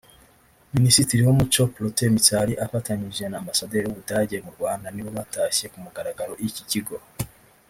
Minisitiri w'umuco Protais Mitali afatanyije na Ambasaderi w’Ubudage mu Rwanda nibo batashye ku mugaragaro iki kigo